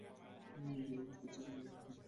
আমি ত্রিচির কলেজে পড়তাম।